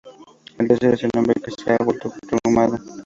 El tercero es un hombre que se ha vuelto tartamudo.